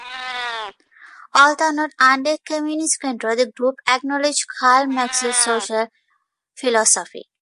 Although not under Communist control, the group acknowledged Karl Marx's social philosophy.